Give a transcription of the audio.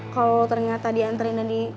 kalo lo ternyata dianterin